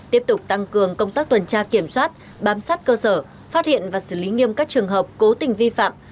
tiếp tục tăng cường công tác tuần tra kiểm soát bám sát cơ sở phát hiện và xử lý nghiêm các trường hợp cố tình vi phạm